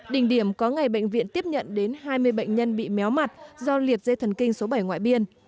đỉnh điểm có ngày bệnh viện tiếp nhận đến hai mươi bệnh nhân bị méo mặt do liệt dây thần kinh số bảy ngoại biên